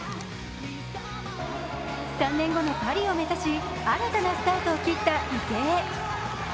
３年後のパリを目指し、新たなスタートを切った池江。